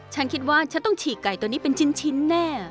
ฉันคิดว่าฉันต้องฉีกไก่ตัวนี้เป็นชิ้นแน่